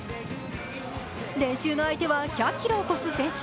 練習の相手は１００ｋｇを超す選手。